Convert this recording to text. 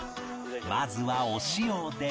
まずはお塩で